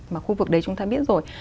mà khu vực đấy chúng ta biết rồi